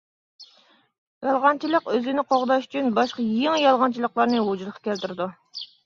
يالغانچىلىق ئۆزىنى قوغداش ئۈچۈن باشقا يېڭى يالغانچىلىقلارنى ۋۇجۇدقا كەلتۈرىدۇ.